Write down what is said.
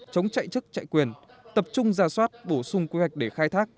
chống chạy chức chạy quyền tập trung ra soát bổ sung quy hoạch để khai thác